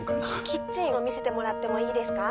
キッチンを見せてもらってもいいですか？